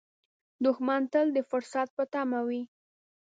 دښمن تل د فرصت په تمه وي